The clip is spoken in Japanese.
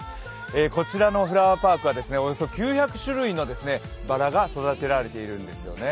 こちらのフラワーパークはおよそ９００種類のバラが育てられているんですよね。